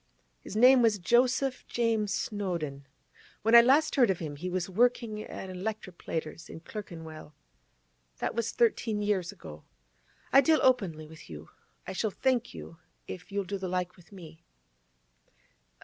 His name was Joseph James Snowdon. When I last heard of him, he was working at a 'lectroplater's in Clerkenwell. That was thirteen years ago. I deal openly with you; I shall thank you if you'll do the like with me.